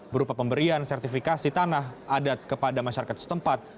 berupa pemberian sertifikasi tanah adat kepada masyarakat setempat